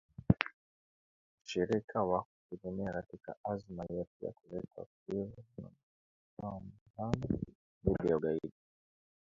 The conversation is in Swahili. mshirika wa kutegemewa katika azma yetu ya kuleta utulivu na mapambano dhidi ya ugaidi